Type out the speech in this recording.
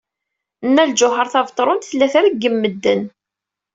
Nna Lǧuheṛ Tabetṛunt tella treggem medden.